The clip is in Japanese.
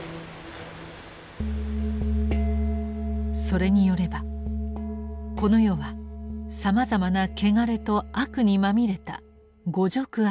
それによればこの世はさまざまな穢れと悪にまみれた「五濁悪世」。